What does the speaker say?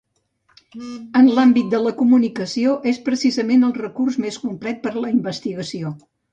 En l’àmbit de la comunicació és precisament el recurs més complet per a la investigació.